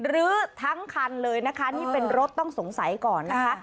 ลื้อทั้งคันเลยนะคะนี่เป็นรถต้องสงสัยก่อนนะคะ